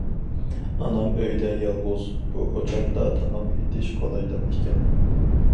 ئانام ئۆيدە يالغۇز، بۇ ئوچاقتا تاماق ئېتىش قولايلىق ئىكەن.